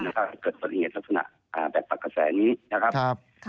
เพื่อเกิดสรุปการลงชะวแบบนอกก็แสนนี่นะครับ